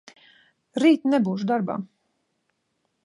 Rīt nebūšu darbā.